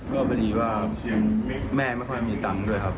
ก็พอดีว่าเสียงแม่ไม่ค่อยมีตังค์ด้วยครับ